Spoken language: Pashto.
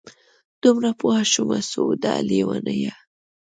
دومره پوه شومه سعوده لېونیه!